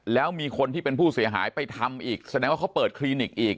แล้วมีคนที่เป็นผู้เสียหายไปทำอีกแสดงว่าเขาเปิดคลินิกอีก